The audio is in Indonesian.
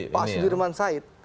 pak sudirman said